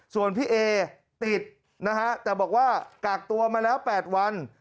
ส่วนพี่เอติดนะฮะแต่บอกว่ากากตัวมาแล้ว๘วัน